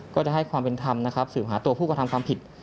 ก็จะให้ความเป็นธรรมนะครับสืบหาตัวผู้กระทำความผิด